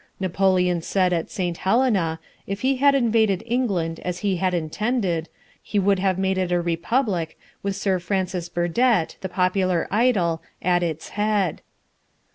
Napoleon said at St. Helena, if he had invaded England as he had intended, he would have made it a republic, with Sir Francis Burdett, the popular idol, at its head.